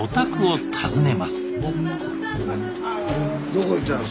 どこ行ったの？